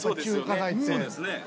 そうですよね